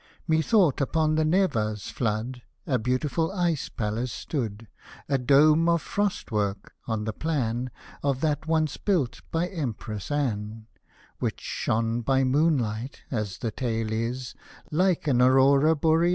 Methought, upon the Neva's flood A beautiful Ice Palace stood, A dome of frost work, on the plan Of that once built by Empress Anne, Which shone by moonlight — as the tale is — Like an Aurora Borealis.